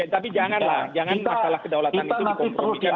tapi janganlah jangan masalah kedaulatan itu dikompromikan